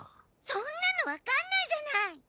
そんなのわかんないじゃない！